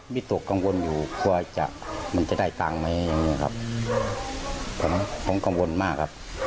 ตกกังวลอยู่กลัวจะมันจะได้ตังค์ไหมอย่างนี้ครับผมผมกังวลมากครับ